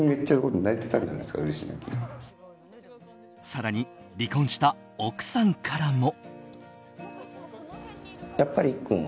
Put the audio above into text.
更に、離婚した奥さんからも。